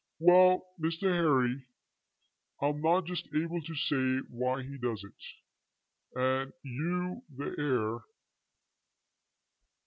"Well Mr. Harry, I'm not just able to say why he does it, and you the heir.